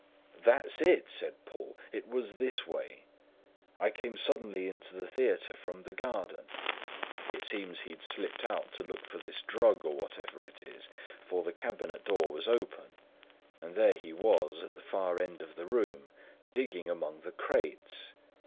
"That's it!" said Poole. "It was this way. I came suddenly into the theatre from the garden. It seems he had slipped out to look for this drug or whatever it is; for the cabinet door was open, and there he was at the far end of the room digging among the crates.